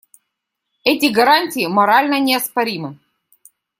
Эти гарантии морально неоспоримы.